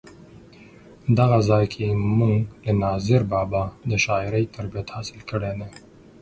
دغه ځای کې مونږ له ناظر بابا د شاعرۍ تربیت حاصل کړی دی.